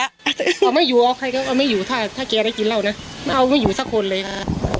เอาไม่อยู่เอาไม่อยู่ถ้าเก๊ได้กินเหล้านะเอาไม่อยู่สักคนเลยค่ะ